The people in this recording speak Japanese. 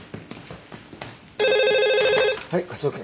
はい科捜研。